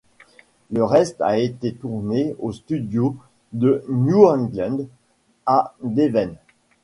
Le reste a été tourné aux Studios de New England à Devens.